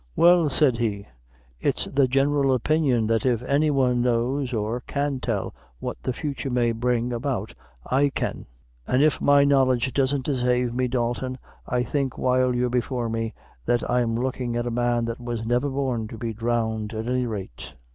"Well," said he, "it's the general opinion that if any one knows or can tell what the future may bring about, I can; an', if my knowledge doesn't desave me, Dalton, I think, while you're before me, that I'm lookin' at a man that was never born to be drowned at any rate.